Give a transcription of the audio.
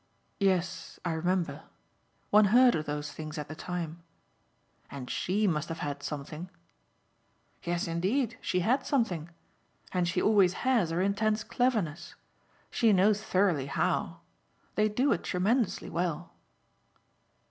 "Yes, I remember one heard of those things at the time. And SHE must have had something." "Yes indeed, she had something and she always has her intense cleverness. She knows thoroughly how. They do it tremendously well."